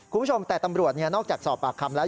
คุณผู้ชมแต่ตำรวจนอกจากสอบปากคำแล้ว